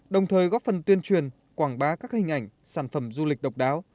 đồng thời góp phần tuyên truyền quảng bá các hình ảnh sản phẩm du lịch độc đáo